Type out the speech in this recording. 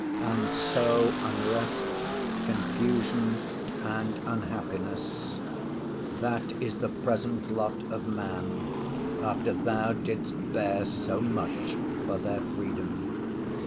And so unrest, confusion and unhappiness—that is the present lot of man after Thou didst bear so much for their freedom!